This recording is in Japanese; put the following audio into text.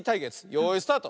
よいスタート！